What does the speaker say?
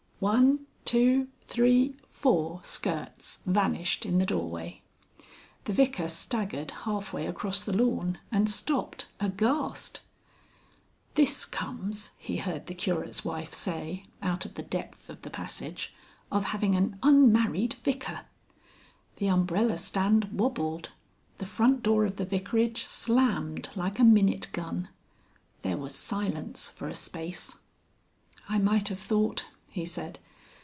One, two, three, four skirts vanished in the doorway. The Vicar staggered half way across the lawn and stopped, aghast. "This comes," he heard the Curate's wife say, out of the depth of the passage, "of having an unmarried vicar ." The umbrella stand wobbled. The front door of the vicarage slammed like a minute gun. There was silence for a space. "I might have thought," he said.